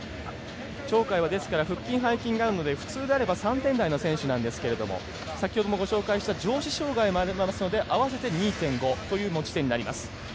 鳥海は腹筋、背筋がありますので普通であれば３点台の選手なんですけれども上肢障がいもありますので合わせて２．５という持ち点になります。